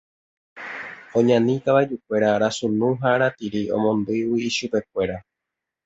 Oñani kavajukuéra arasunu ha aratiri omondýigui ichupekuéra.